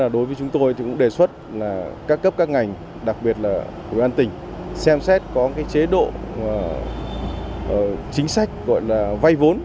đối với chúng tôi thì cũng đề xuất là các cấp các ngành đặc biệt là ủy ban tỉnh xem xét có chế độ chính sách gọi là vay vốn